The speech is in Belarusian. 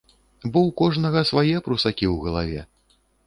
Бо ў кожнага свае прусакі ў галаве.